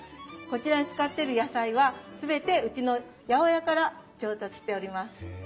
こちらに使ってる野菜は全てうちの八百屋から調達しております。